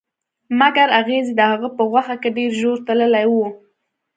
مګر اغزي د هغه په غوښه کې ډیر ژور تللي وو